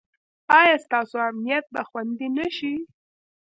ایا ستاسو امنیت به خوندي نه شي؟